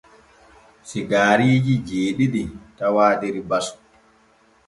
Sigaariiji jeeɗiɗi tawaa der basu.